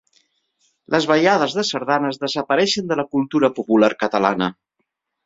Les ballades de sardanes desapareixen de la cultura popular catalana